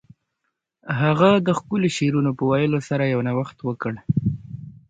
هغه د ښکلو شعرونو په ویلو سره یو نوښت وکړ